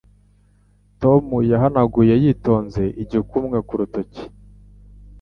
Tom yahanaguye yitonze igikumwe ku rutoki